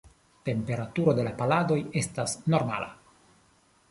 Temperaturo de la pladoj estas normala.